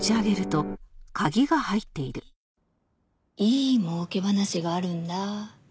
いい儲け話があるんだ。